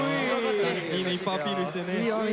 いいねいっぱいアピールしてね。